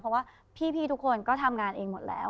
เพราะว่าพี่ทุกคนก็ทำงานเองหมดแล้ว